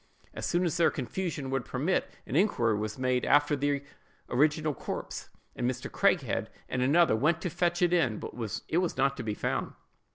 As soon as their confusion would permit, an inquiry was made after the original corpse, and Mr. Craighead and another went to fetch it in, but it was not to be found.